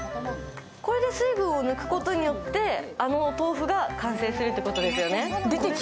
これで水分を抜くことによって、あのお豆腐が完成するということですよね。